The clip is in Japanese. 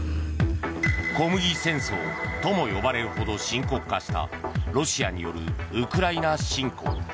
小麦戦争とも呼ばれるほど深刻化したロシアによるウクライナ侵攻。